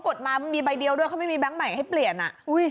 ก็บอกว่าเขากดมีใบเดียวด้วยเขาไม่มีแบงค์ใหม่ให้เปลี่ยนอ่ะ